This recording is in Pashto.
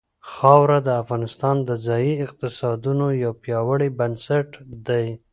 خاوره د افغانستان د ځایي اقتصادونو یو پیاوړی بنسټ دی.